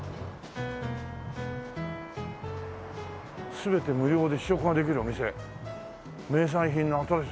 「全て無料で試食ができるお店」「名産品の新しい」